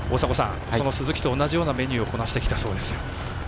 その鈴木と同じようなメニューをこなしてきたそうですよ。